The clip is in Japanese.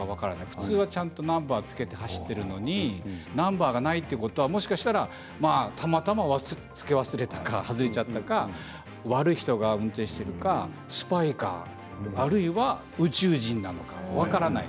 普通はちゃんとナンバーをつけて走っているのにナンバーがないということはもしかしたらたまたまつけ忘れたか外れちゃったか悪い人が運転しているかスパイかあるいは宇宙人なのか分からない。